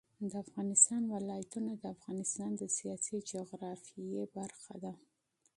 د افغانستان ولايتونه د افغانستان د سیاسي جغرافیه برخه ده.